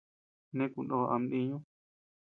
Nee kunoo ama diiñu.